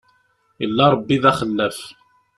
Illa Ṛebbi d axellaf.